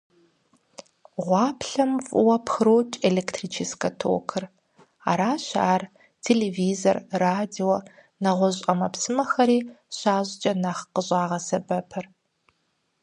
Гъуаплъэм фӀыуэ пхрокӀ электрическэ токыр, аращ ар телевизор, радио, нэгъуэщӀ Ӏэмэпсымэхэри щащӀкӀэ нэхъ къыщӀагъэсэбэпыр.